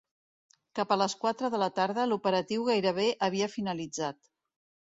Cap a les quatre de la tarda, l’operatiu gairebé havia finalitzat.